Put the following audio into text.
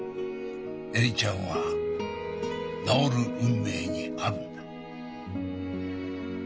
恵里ちゃんは治る運命にあるんだ。